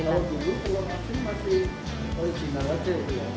ini masih original saja